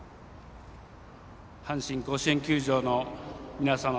阪神甲子園球場の皆様